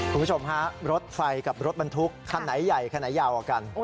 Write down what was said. คุณผู้ชมฮะรถไฟกับรถบรรทุกคันไหนใหญ่คันไหนยาวกว่ากัน